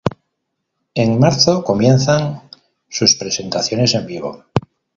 En marzo comienzan sus presentaciones en vivo.